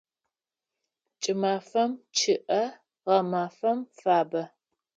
Кӏымафэм чъыӏэ, гъэмафэм фабэ.